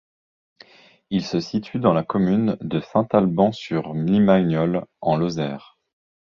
Il se situe dans la commune de Saint-Alban-sur-Limagnole en Lozère.